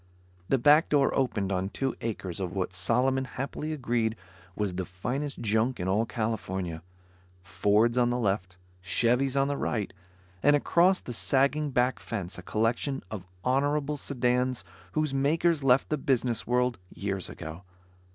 The back door opened on two acres of what Solomon happily agreed was the finest junk in all California. Fords on the left, Chevys on the right, and across the sagging back fence, a collection of honorable sedans whose makers left the business world years ago.